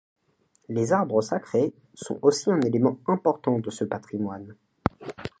Les arbres sacrés sont aussi un élément important de ce patrimoine.